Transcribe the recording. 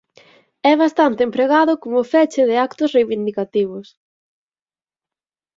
É bastante empregado como feche de actos reivindicativos.